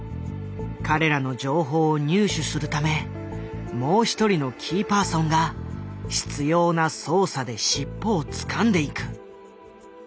彼らの情報を入手するためもう一人のキーパーソンが執ような捜査で尻尾をつかんでいく。